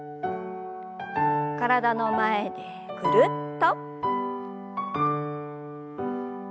体の前でぐるっと。